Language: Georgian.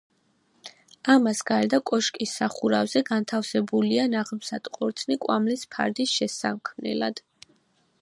ამას გარდა, კოშკის სახურავზე განთავსებულია ნაღმსატყორცნი, კვამლის ფარდის შესაქმნელად.